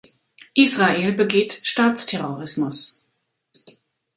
Israel begeht Staatsterrorismus.